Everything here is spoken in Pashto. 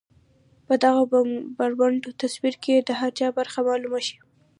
په دغه بربنډ تصوير کې د هر چا برخه معلومه شي.